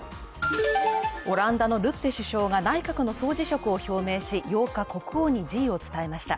オランダのルッテ首相が内閣の総辞職を表明し、８日、国王に辞意を伝えました。